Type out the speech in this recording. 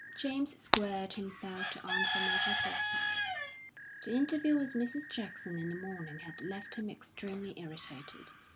James squared himself to answer Major Forsyth. The interview with Mrs. Jackson in the morning had left him extremely irritated.